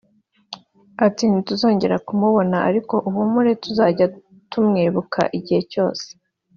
uti ntituzongera kumubona ariko uhumure tuzajya tumwibuka igihe cyose